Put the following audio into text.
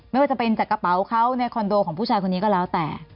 ไม่ว่าจะเป็นจากกระเป๋าเขาในคอนโดของผู้ชายคนนี้ก็แล้วแต่